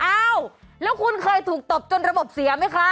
อ้าวแล้วคุณเคยถูกตบจนระบบเสียไหมคะ